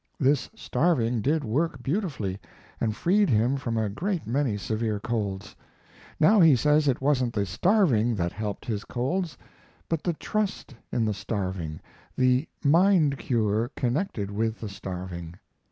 This starving did work beautifully, and freed him from a great many severe colds. Now he says it wasn't the starving that helped his colds, but the trust in the starving, the "mind cure" connected with the starving.